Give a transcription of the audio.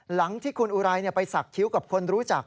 หลังที่คุณอุไรไปสักคิ้วกับคนรู้จัก